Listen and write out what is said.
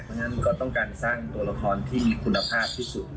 เพราะฉะนั้นก็ต้องการสร้างตัวละครที่มีคุณภาพที่สุด